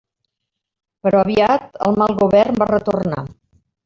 Però aviat el mal govern va retornar.